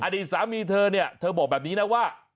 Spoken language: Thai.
อดีตสามีเธอเนี่ยเธอบอกแบบนี้นะว่า